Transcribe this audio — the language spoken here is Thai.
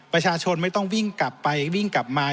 ประชาชนไม่ต้องวิ่งกลับไปวิ่งกลับมา